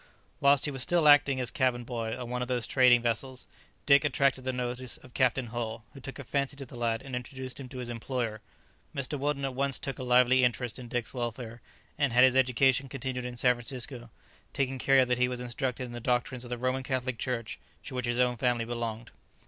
Whilst he was still acting as cabin boy on one of those trading vessels, Dick attracted the notice of Captain Hull, who took a fancy to the lad and introduced him to his employer. Mr. Weldon at once took a lively interest in Dick's welfare, and had his education continued in San Francisco, taking care that he was instructed in the doctrines of the Roman Catholic Church, to which his own family belonged.